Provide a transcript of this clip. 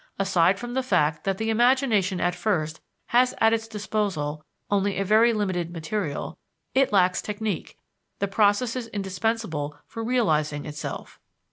Aside from the fact that the imagination at first has at its disposal only a very limited material, it lacks technique, the processes indispensable for realizing itself.